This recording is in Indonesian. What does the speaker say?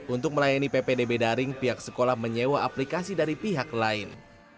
untuk melayani ppdb daring pihak sekolah menyewa aplikasi dari pihak lain